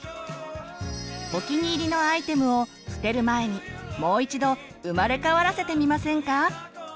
お気に入りのアイテムを捨てる前にもう一度生まれ変わらせてみませんか！